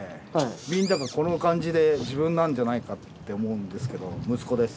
みんながこの漢字で自分なんじゃないかって思うんですけど息子です。